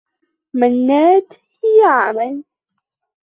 منّاد يعمل.